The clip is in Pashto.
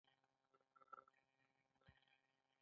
د افغان جهاد په حق کې تبلیغات ډېر وو.